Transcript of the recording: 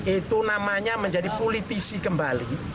itu namanya menjadi politisi kembali